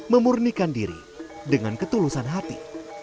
memurnikan diri dengan ketulusan hati